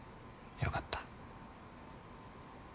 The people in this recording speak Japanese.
よかった。